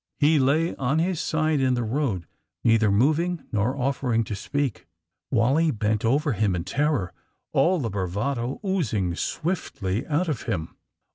He lay on his side in the road, neither moving nor offering to speak. Wally bent over him in terror, all the bravado oozing swiftly out of him.